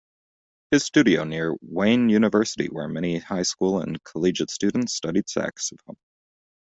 His studio near Wayne University where many high school and collegiate students studied saxophone.